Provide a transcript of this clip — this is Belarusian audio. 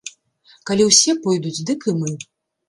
Калі ўсе пойдуць, дык і мы.